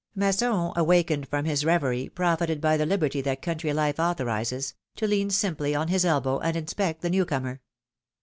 Masson awakened from his reverie, profited by the liberty that country life authorizes — to lean simply on his elbow and inspect the new comer.